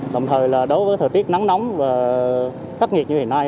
đồng thời là đối với thời tiết nắng nóng và khắc nghiệt như hiện nay